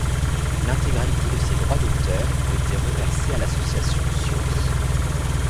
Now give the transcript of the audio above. L'intégralité de ses droits d'auteurs ont été reversés à l'association Survie.